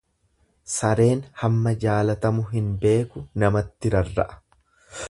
Sareen hamma jaalatamu hin beeku namatti rarra'a.